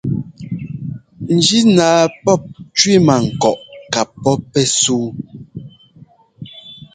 Njínaa pɔ̂p cẅímankɔʼ kapɔ́ pɛ́súu.